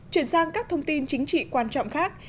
chuyển sang các thông tin chính trị quan trọng khác